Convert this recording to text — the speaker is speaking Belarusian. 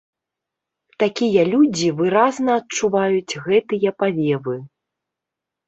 Такія людзі выразна адчуваюць гэтыя павевы.